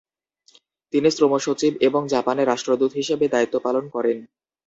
তিনি শ্রম সচিব এবং জাপানে রাষ্ট্রদূত হিসেবে দায়িত্ব পালন করেন।